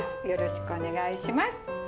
よろしくお願いします。